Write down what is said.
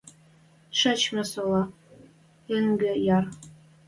Шачмы сола, Йынгы, йӓр.